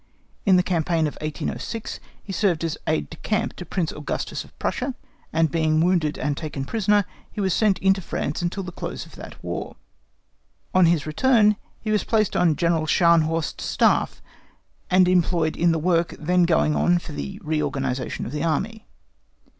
In the campaign of 1806 he served as Aide de camp to Prince Augustus of Prussia; and being wounded and taken prisoner, he was sent into France until the close of that war. On his return, he was placed on General Scharnhorst's Staff, and employed in the work then going on for the reorganisation of the Army.